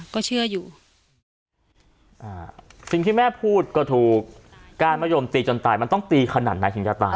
ก็เชื่ออยู่อ่าสิ่งที่แม่พูดก็ถูกก้านมะยมตีจนตายมันต้องตีขนาดไหนถึงจะตาย